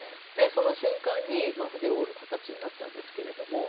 その瞬間に筆を折る形になったんですけれども。